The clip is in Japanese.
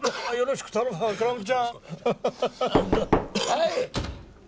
はい。